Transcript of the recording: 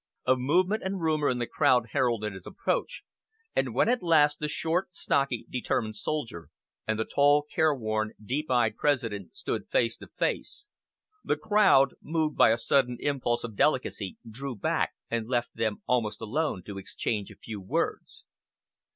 A movement and rumor in the crowd heralded his approach, and when at last the short, stocky, determined soldier and the tall, care worn, deep eyed President stood face to face the crowd, moved by a sudden impulse of delicacy, drew back, and left them almost alone to exchange a few words.